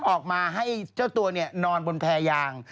ออกมาให้เจ้าตัวนอนบนแพรยาง